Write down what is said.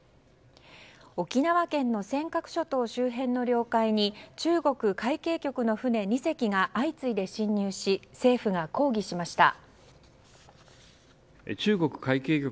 沖縄県の尖閣諸島周辺の領海に中国海警局の船２隻が相次いで侵入し政府が抗議しました。